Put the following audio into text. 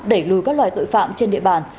đẩy lùi các loài tội phạm trên địa bàn